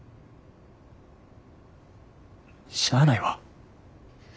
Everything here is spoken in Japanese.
しゃあないわ。